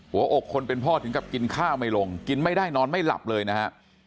หัวอกคนเป็นพ่อถึงกับกินข้าวไม่ลงกินไม่ได้นอนไม่หลับเลยนะฮะ